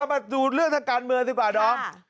มาดูเรื่องทางการมือสิก่อนด้อง